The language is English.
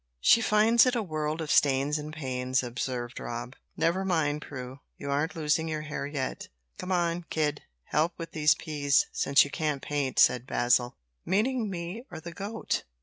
"She finds it a world of stains and pains," observed Rob. "Never mind, Prue; you aren't losing your hair yet." "Come on, kid; help with these peas, since you can't paint," said Basil. "Meaning me, or the goat?"